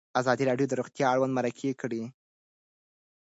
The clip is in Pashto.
ازادي راډیو د روغتیا اړوند مرکې کړي.